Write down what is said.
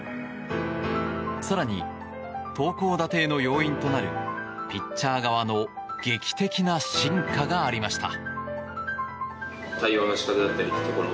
更に投高打低の要因となるピッチャー側の劇的な進化がありました。